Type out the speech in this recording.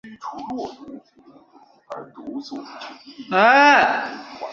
这被认为是在纵容色狼。